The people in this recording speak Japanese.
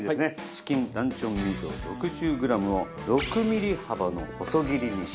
チキンランチョンミート６０グラムを６ミリ幅の細切りにします。